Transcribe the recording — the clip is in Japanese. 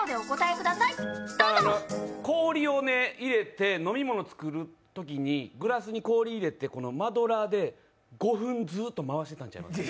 氷を入れて飲み物作るときにグラスに氷入れてマドラーで５分ずっと回してたんちゃいます？